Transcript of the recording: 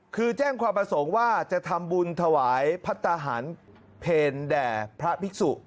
คือแจ้งความประสงค์ว่าจะทำบุญถวายพัฒนาหารเพลแด่พระภิกษุ